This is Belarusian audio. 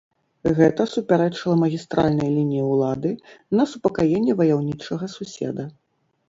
Гэта супярэчыла магістральнай лініі ўлады на супакаенне ваяўнічага суседа.